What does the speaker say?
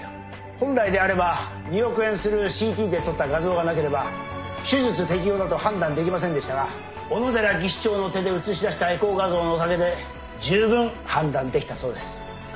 本来であれば２億円する ＣＴ で撮った画像がなければ手術適応だと判断できませんでしたが小野寺技師長の手で写し出したエコー画像のおかげでじゅうぶん判断できたそうです